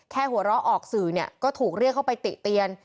หัวเราะออกสื่อเนี่ยก็ถูกเรียกเข้าไปติเตียน